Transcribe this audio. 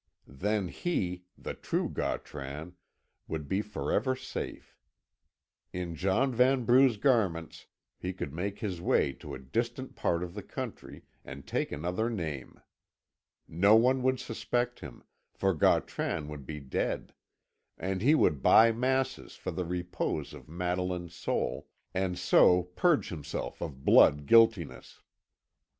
Then he, the true Gautran, would be forever safe. In John Vanbrugh's garments he could make his way to a distant part of the country, and take another name. No one would suspect him, for Gautran would be dead; and he would buy masses for the repose of Madeline's soul, and so purge himself of blood guiltiness.